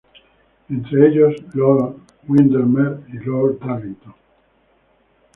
Entre ellos Lord Windermere y Lord Darlington.